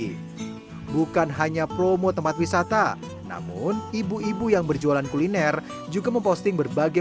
ibu manusia memperoleh dwars tentara dan jejaknya dalam pengubah ramai